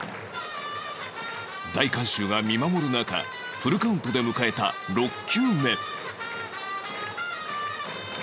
大観衆が見守る中フルカウントで迎えた６球目